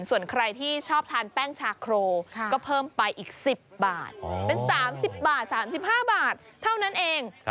ส่วนใครที่ชอบทานแป้งชาโครก็เพิ่มไปอีก๑๐บาทเป็น๓๐บาท๓๕บาทเท่านั้นเอง